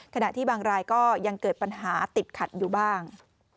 ขณะที่บางรายก็ยังเกิดปัญหาติดขัดอยู่บ้าง